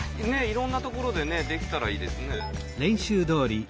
いろんなところでできたらいいですね。